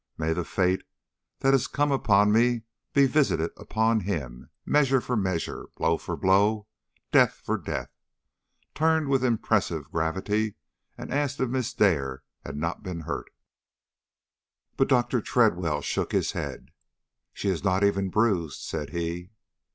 May the fate that has come upon me be visited upon him, measure for measure, blow for blow, death for death!" turned with impressive gravity and asked if Miss Dare had not been hurt. But Dr. Tredwell shook his head. "She is not even bruised," said he.